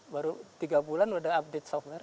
baru tiga bulan udah update software